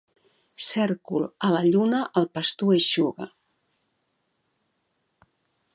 Cèrcol a la lluna el pastor eixuga.